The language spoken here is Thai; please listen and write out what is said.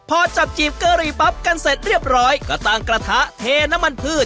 พอจับจีบกะหรี่ปั๊บกันเสร็จเรียบร้อยก็ตั้งกระทะเทน้ำมันพืช